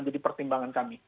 ini adalah pertimbangan kami